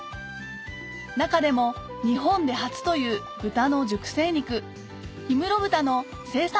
中でも日本で初という豚の熟成肉氷室豚の生産